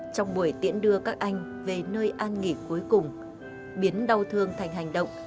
trong buổi tiễn đưa các anh về nơi an nghỉ cuối cùng biến đau thương thành hành động